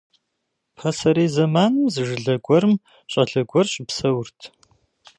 Пасэрей зэманым зы жылэ гуэрым щӀалэ гуэр щыпсэурт.